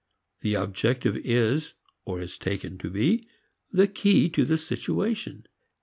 The objective is (or is taken to be) the key to the situation.